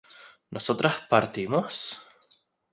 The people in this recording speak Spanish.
¿nosotras partimos?